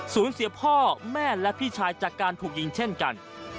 เสียพ่อแม่และพี่ชายจากการถูกยิงเช่นกัน